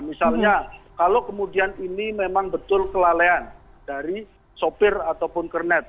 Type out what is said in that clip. misalnya kalau kemudian ini memang betul kelalaian dari sopir ataupun kernet